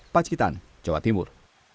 pacitan jawa timur